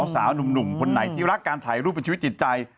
สาวหนุ่มคนไหนที่รักการถ่ายรูปเป็นชีวิตจิตใจ